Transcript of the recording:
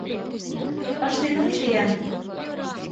Ыштен ончо-ян...